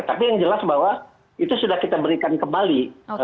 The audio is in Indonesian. tapi yang jelas bahwa itu sudah kita berikan kembali